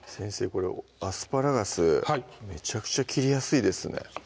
これアスパラガスめちゃくちゃ切りやすいですね